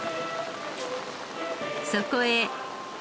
そこへ。